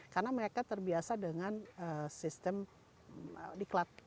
karena mereka terbiasa dengan sistem diklat